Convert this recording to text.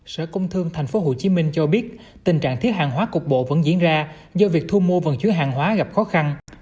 sở công thương tp hcm cho biết tình trạng thiếu hàng hóa cục bộ vẫn diễn ra do việc thu mua vận chứa hàng hóa gặp khó khăn